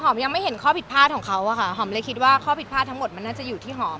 ยังไม่เห็นข้อผิดพลาดของเขาอะค่ะหอมเลยคิดว่าข้อผิดพลาดทั้งหมดมันน่าจะอยู่ที่หอม